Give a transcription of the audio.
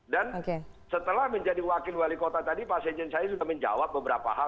dan setelah menjadi wakil wali kota tadi pak sejen saya sudah menjawab beberapa hal